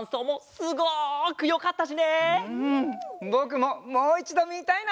ぼくももういちどみたいな！